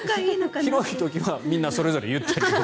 広い時はみんなそれぞれゆったりと。